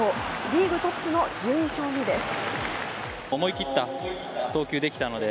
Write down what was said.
リーグトップの１２勝目です。